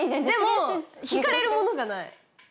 でも惹かれるものがない。